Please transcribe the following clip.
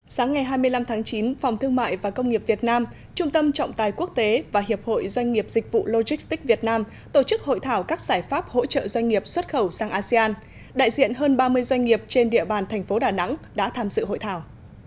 sáng ngày hai mươi năm tháng chín phòng thương mại và công nghiệp việt nam trung tâm trọng tài quốc tế và hiệp hội doanh nghiệp dịch vụ logistics việt nam tổ chức hội thảo các giải pháp hỗ trợ doanh nghiệp xuất khẩu sang asean đại diện hơn ba mươi doanh nghiệp trên địa bàn thành phố đà nẵng đã tham dự hội thảo